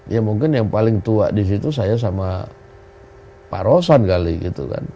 ya mungkin yang paling tua di situ saya sama pak rosan kali gitu kan